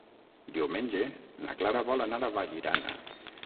Diumenge na Clara vol anar a Vallirana.